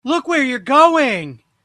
Look where you're going!